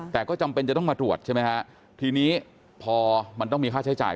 แต่ก็จำเป็นจะต้องมาตรวจใช่ไหมฮะทีนี้พอมันต้องมีค่าใช้จ่าย